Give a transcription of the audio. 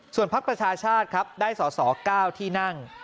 ส่วนพักประชาชาติครับได้สอสอ๙ที่นั่ง